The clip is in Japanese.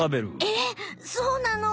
えそうなの？